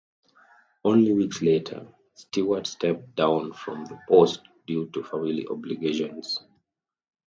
Only weeks later, Stewart stepped down from the post due to family obligations.